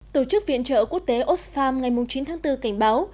tổ chức viện trợ quốc tế osfarm ngày chín tháng bốn cảnh báo